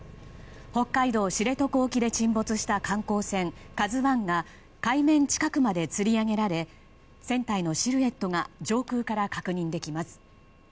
北海道知床沖で沈没した観光船「ＫＡＺＵ１」が海面近くまでつり上げられ船体のシルエットが上空から確認できます。